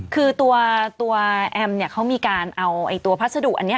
คือตัวแอมเนี่ยเขามีการเอาตัวพัสดุอันนี้